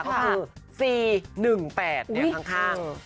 ก็คือ๔๑๘เนี่ยข้าง